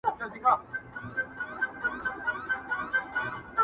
هغه دي مړه سي زموږ نه دي په كار؛